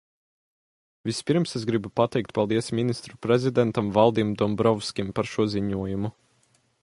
Vispirms es gribu pateikt paldies Ministru prezidentam Valdim Dombrovskim par šo ziņojumu.